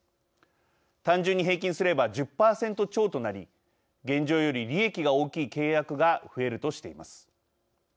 単純に平均すれば１０％超となり現状より利益が大きい契約が増えるとしています。